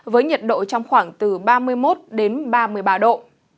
với nhiệt độ trong khoảng từ ba mươi một đến ba mươi ba độ